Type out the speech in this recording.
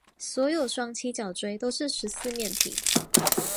所有双七角锥都是十四面体。